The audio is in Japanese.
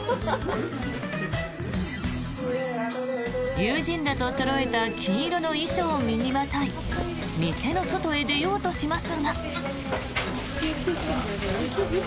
友人らとそろえた金色の衣装を身にまとい店の外へ出ようとしますが。